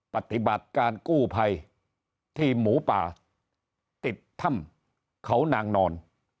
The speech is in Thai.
ปฏิบัติการกู้ภัยทีมหมูป่าติดถ้ำเขานางนอน